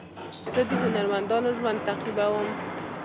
زه د هنرمندانو ژوند تعقیبوم.